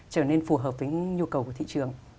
trở nên phù hợp với nhu cầu của thị trường